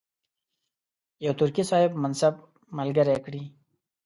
یو ترکي صاحب منصب ملګری کړي.